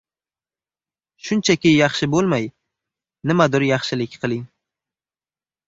Shuichaki yaxshi bo‘lmay, nimadir yaxshilik qiling.